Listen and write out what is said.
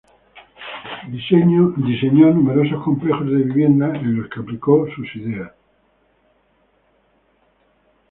Diseñó numerosos complejos de viviendas, en los que aplicó sus ideas.